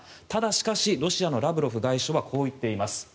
しかしロシアのラブロフ外相はこう言っています。